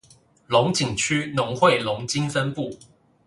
龍井區農會龍津分部